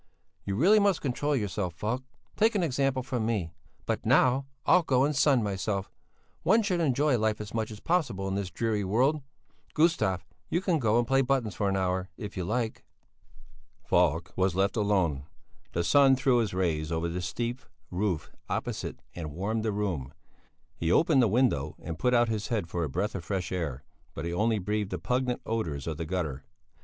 "You really must control yourself, Falk! Take an example from me! But now I'll go and sun myself; one should enjoy life as much as possible in this dreary world. Gustav, you can go and play buttons for an hour, if you like." Falk was left alone. The sun threw his rays over the steep roof opposite and warmed the room; he opened the window and put out his head for a breath of fresh air, but he only breathed the pungent odours of the gutter.